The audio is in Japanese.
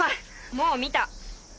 もう見た。